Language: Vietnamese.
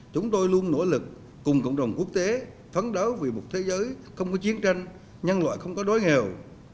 chúng tôi luôn nỗ lực cùng cộng đồng quốc tế phấn đấu vì một thế giới không có chiến tranh nhân loại không có đói nghèo